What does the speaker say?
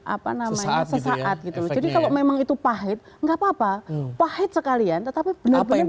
apa namanya saat gitu jadi kalau memang itu pahit enggak papa pahit sekalian tetapi bener bener